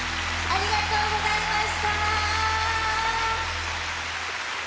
ありがとうございます。